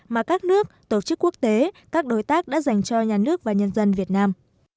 mà các nước tổ chức quốc tế các đối tác đã dành cho nhà nước và nhân dân việt nam